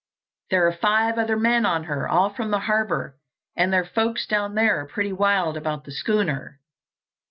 There are five other men on her, all from the Harbour, and their folks down there are pretty wild about the schooner."